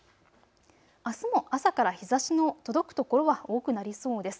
あすも朝から日ざしの届く所は多くなりそうです。